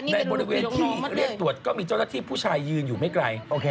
ในบริเวณที่เรียกตรวจก็มีเจ้าหน้าที่ผู้ชายยืนอยู่ไม่ไกล